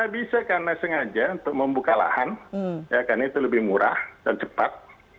bisa karena sengaja untuk membuka lahan itu lebih murah dan cepat